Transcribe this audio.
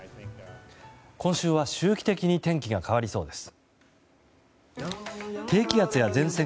今週は周期的に天気が変わりそうです。